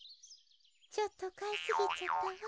ちょっとかいすぎちゃったわ。